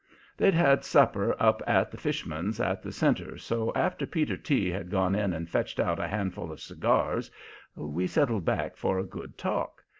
They'd had supper up at the fish man's at the Centre, so after Peter T. had gone in and fetched out a handful of cigars, we settled back for a good talk.